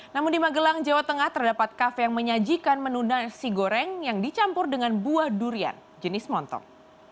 namun di magelang jawa tengah terdapat kafe yang menyajikan menu nasi goreng yang dicampur dengan buah durian jenis montong